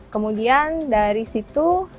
kemudian dari situ